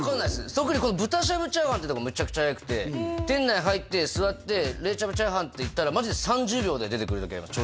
特に豚しゃぶチャーハンっていうのがめちゃくちゃはやくて店内入って座って「冷しゃぶチャーハン」って言ったらマジで３０秒で出てくる時あります